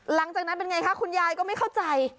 หลังจากนั้นเป็นไงคะคุณยายก็ไม่เข้าใจ